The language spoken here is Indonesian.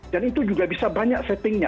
dan itu juga bisa banyak settingnya